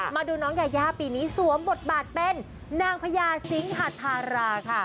มาดูน้องยายาปีนี้สวมบทบาทเป็นนางพญาสิงหาธาราค่ะ